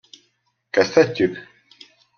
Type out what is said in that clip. Kezdhetjük?